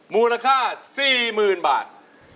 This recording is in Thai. มูลค่า๔๐๐๐บาท